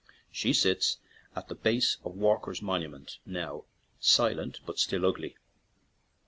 She sits at the base of Walker's monument now, silent, but still ugly.